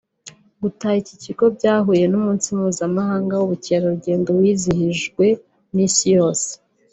Gutaha iki kigo byahuye n’Umunsi mpuzamahanga w’Ubukerarugendo wizihijwe n’Isi yose